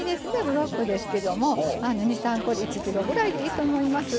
ブロックですけども２３コで１ｋｇぐらいでいいと思います。